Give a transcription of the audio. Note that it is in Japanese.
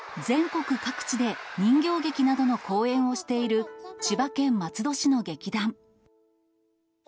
全国各地で人形劇などの公演をしている千葉県松戸市の劇団。